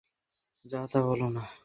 যা-তা বলো না।